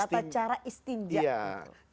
tata cara istinjak